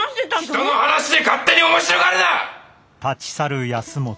人の話で勝手に面白がるな！